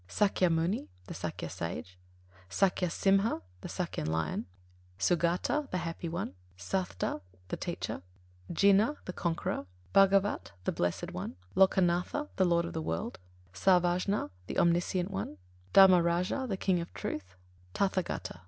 Sākyamuni (the Sākya Sage); Sākya Simha (the Sākyan Lion); Sugata (the Happy One); Satthta (the Teacher); Jina (the Conqueror), Bhagavat (the Blessed One); Lokanātha (the Lord of the World); Sarvajña (the Omniscient One); Dharmarāja (the King of Truth); Tathāgata (the Great Being), etc.